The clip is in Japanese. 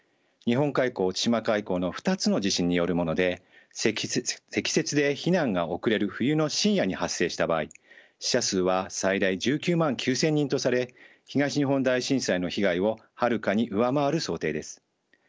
日本海溝千島海溝の２つの地震によるもので積雪で避難が遅れる冬の深夜に発生した場合死者数は最大１９万９，０００人とされ東日本大震災の被害をはるかに上回る想定です。